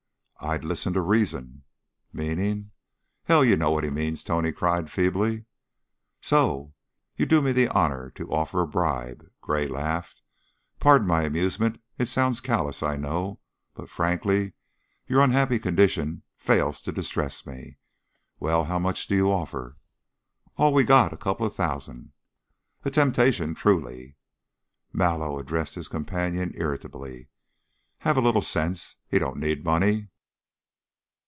"I'd listen to reason." "Meaning ?" "Hell! You know what he means," Tony cried, feebly. "So! You do me the honor to offer a bribe." Gray laughed. "Pardon my amusement. It sounds callous, I know, but, frankly, your unhappy condition fails to distress me. Well, how much do you offer?" "All we got. A coupla thousand." "A temptation, truly." Mallow addressed his companion irritably. "Have a little sense. He don't need money."